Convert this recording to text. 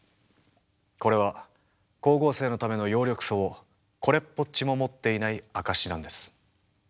これは光合成のための葉緑素をこれっぽっちも持っていない証しなんです。